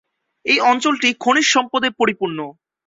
এই অঞ্চলটি খনিজ সম্পদে পরিপূর্ণ।